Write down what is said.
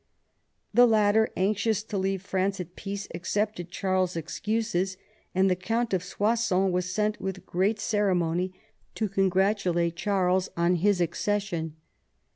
The latter, anxious to leave France at peace, accepted Charles's excuses, and the Count of Soissons was sent with great ceremony to congratulate Charles on his 158 MAZARIN chap, viii accession.